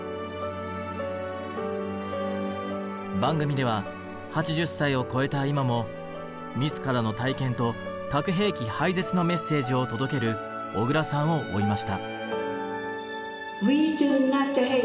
番組では８０歳を超えた今も自らの体験と核兵器廃絶のメッセージを届ける小倉さんを追いました。